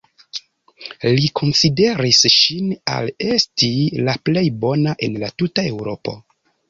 Li konsideris ŝin al esti la plej bona en la tuta Eŭropo.